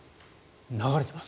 流れています。